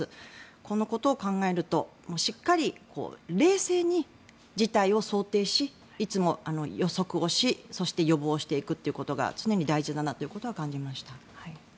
このことを考えるとしっかり冷静に事態を想定しいつも予測をしそして予防していくということが常に大事だなということは感じました。